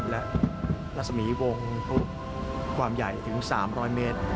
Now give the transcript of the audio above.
และรัศมีวงความใหญ่ถึง๓๐๐เมตร